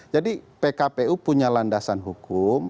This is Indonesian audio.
jadi pkpu punya landasan hukum